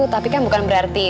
tapi kan bukan berarti